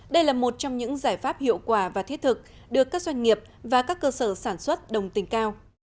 đây là một trong những giải pháp hiệu quả và thiết thực được các doanh nghiệp và các cơ sở sản xuất đồng tình cao